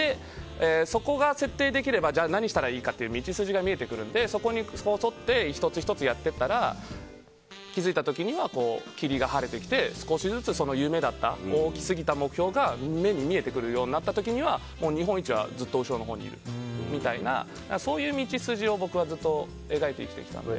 そこが設定できればじゃあ何したらいいかという道筋が見えてくるのでそこに沿って１つ１つやっていったら気付いた時には霧が晴れてきて少しずつ夢だった大きすぎた目標が目に見えてくるようになった時には日本一はずっと後ろのほうにいるみたいなそういう道筋を僕はずっと描いて生きてきたので。